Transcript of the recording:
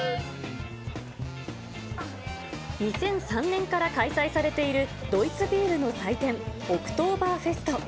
２００３年から開催されているドイツビールの祭典、オクトーバーフェスト。